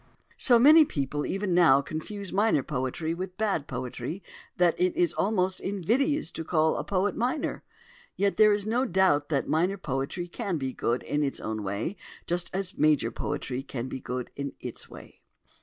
So many people even now confuse minor poetry with bad poetry that it is almost invidious to call a poet minor. Yet there is no doubt that minor poetry can be good in its way, just as major poetry can be good in its way.